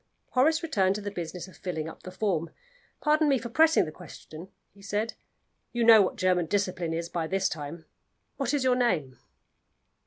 Horace returned to the business of filling up the form. "Pardon me for pressing the question," he said. "You know what German discipline is by this time. What is your name?"